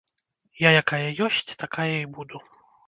Я якая ёсць, такая і буду.